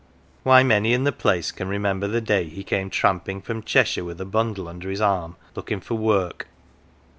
Why, many in the place can re member the day he came tramping from Cheshire with a bundle under his arm, looking for work